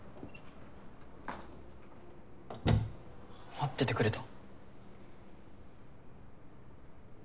待っててくれた？